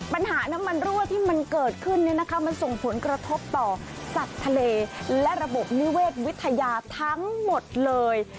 น้ำมันรั่วที่มันเกิดขึ้นมันส่งผลกระทบต่อสัตว์ทะเลและระบบนิเวศวิทยาทั้งหมดเลย